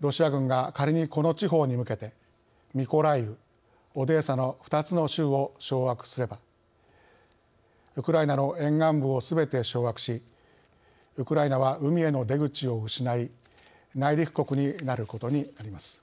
ロシア軍が仮にこの地方に向けてミコライウ、オデーサの２つの州を掌握すればウクライナの沿岸部をすべて掌握しウクライナは海への出口を失い内陸国になることになります。